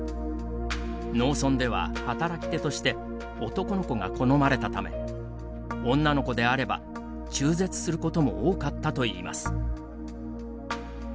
農村では働き手として男の子が好まれたため女の子であれば中絶することも多かったといいます。